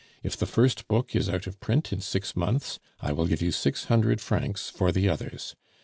If the first book is out of print in six months, I will give you six hundred francs for the others.